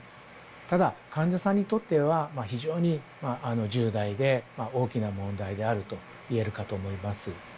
ただ、患者さんにとっては非常に重大で大きな問題であるといえるかと思います。